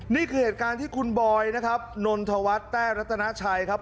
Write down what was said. นี่คือเหตุการณ์ที่คุณบอยนะครับนนทวัฒน์แต้รัตนาชัยครับ